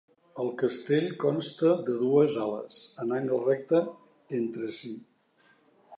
El castell consta de dues ales en angle recte entre si.